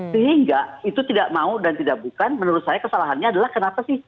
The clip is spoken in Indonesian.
sehingga itu tidak mau dan tidak bukan menurut saya kesalahannya adalah kenapa sih